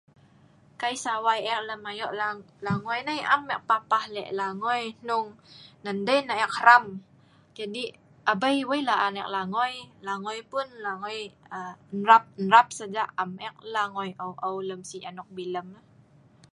Kai sawai eek lem ayo langoi nai, am eek papah lek langoi, hnung dei nah eek hram. Jadi, abei weik laan eek langoi, langoi pun langoi hrap2 saja am eek langoi ou' ou' lem sik anok bilem